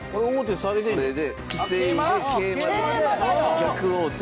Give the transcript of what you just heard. これで防いで桂馬で逆王手。